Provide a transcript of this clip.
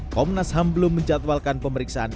komnas ham belum menjatuhalkan pemeriksaan